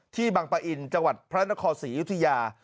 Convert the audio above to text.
บังปะอินจังหวัดพระนครศรีอยุธยา